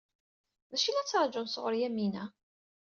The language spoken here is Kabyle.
D acu ay la ttṛajun sɣur Yamina?